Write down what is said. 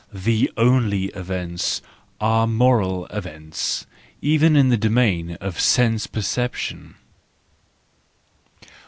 The only events are moral events, even in the domain of sense perception.